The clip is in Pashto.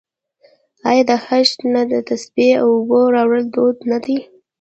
آیا د حج نه د تسبیح او اوبو راوړل دود نه دی؟